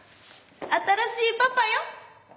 新しいパパよ！